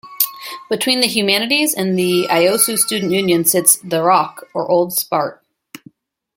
Between the Humanities and the Iosue Student Union sits The Rock or Old Spart.